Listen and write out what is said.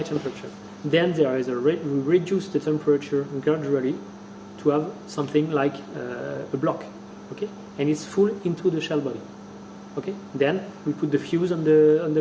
kemudian kita menurunkan suhu secara berat untuk memiliki sesuatu seperti blok dan itu penuh ke dalam tubuh kabel